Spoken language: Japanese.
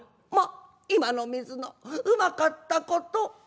『まあ今の水のうまかったこと』。